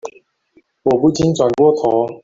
我不禁轉過頭